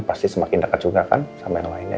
pasti semakin dekat juga kan sama yang lainnya